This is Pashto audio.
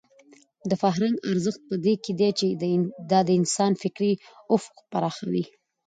د فرهنګ ارزښت په دې کې دی چې دا د انسان فکري افق پراخوي.